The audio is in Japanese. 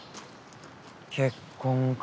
結婚か。